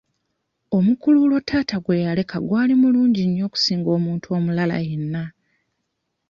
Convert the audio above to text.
Omukululo taata gwe yaleka gwali mulungi nnyo okusinga omuntu omulala yenna.